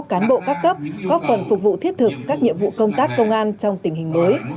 cán bộ các cấp góp phần phục vụ thiết thực các nhiệm vụ công tác công an trong tình hình mới